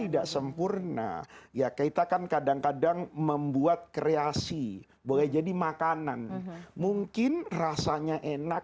rasulullah subhanahu wa ta'ala yang berkata